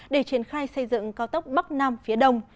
để triển khai xây dựng cao tốc bắc nam phía đông